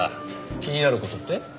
気になる事って？